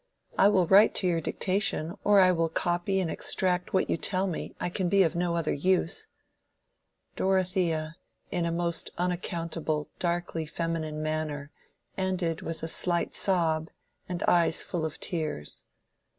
I will write to your dictation, or I will copy and extract what you tell me: I can be of no other use." Dorothea, in a most unaccountable, darkly feminine manner, ended with a slight sob and eyes full of tears.